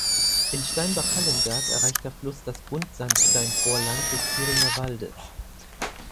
In Steinbach-Hallenberg erreicht der Fluss das Buntsandstein-Vorland des Thüringer Waldes.